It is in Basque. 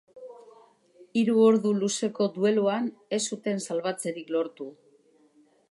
Hiru ordu luzeko dueluan ez zuten salbatzerik lortu.